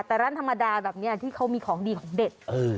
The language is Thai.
แต่ร้านธรรมดาแบบนี้ที่เขามีของดีของเด็ด